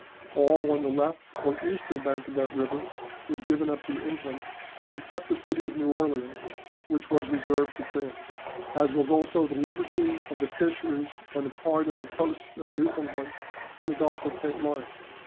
All on the left or eastern bank of that river, was given up to England, except the city of New Orleans, which was reserved to France; as was also the liberty of the fisheries on a part of the coasts of Newfoundland and the Gulf of St. Lawrence.